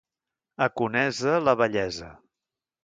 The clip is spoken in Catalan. A Conesa, la bellesa.